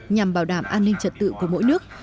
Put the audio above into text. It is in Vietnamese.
nhằm bảo đảm an ninh trật tự của mỗi nước